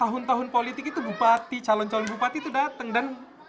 tahun tahun politik itu bupati calon calon bupati itu datang dan